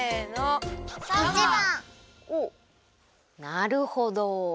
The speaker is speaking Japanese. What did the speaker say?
なるほど！